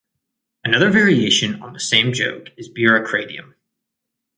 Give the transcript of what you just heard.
Another variation on the same joke is Bureaucratium.